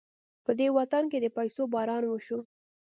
په دې وطن د پيسو باران وشو.